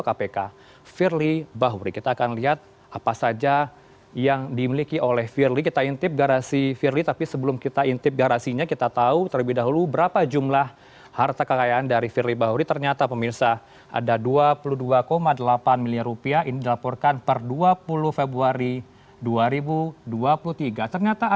kami ajak anda untuk melihat lebih detail bagaimana untuk aset dari seorang ketua